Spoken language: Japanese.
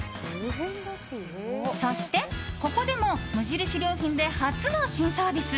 そして、ここでも無印良品で初の新サービス。